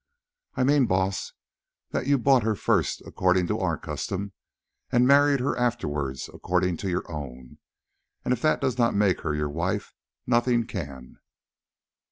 "I mean, Baas, that you bought her first, according to our custom, and married her afterwards according to your own, and if that does not make her your wife, nothing can."